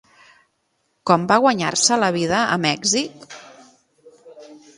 Com va guanyar-se la vida a Mèxic?